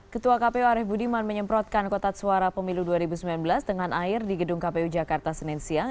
ketua kpu arief budiman menyemprotkan kotak suara pemilu dua ribu sembilan belas dengan air di gedung kpu jakarta senin siang